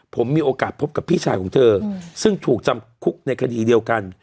ผมมีโอกาสพบกับพี่ชายของเธอซึ่งถูกจำคุกในคดีเดียวกัน